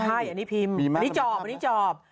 อันนี้เพียบอันนี้จอบ